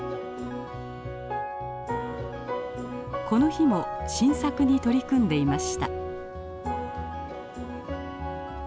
この日も新作に取り組んでいました。